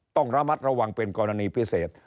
ต้องระมัดระวังเป็นกรณีพิเศษ